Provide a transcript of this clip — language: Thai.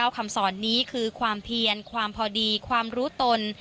คำสอนนี้คือความเพียรความพอดีความรู้ตน